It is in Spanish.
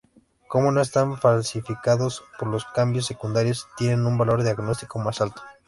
Como no están "falsificados" por los cambios secundarios, tienen un valor diagnóstico más alto.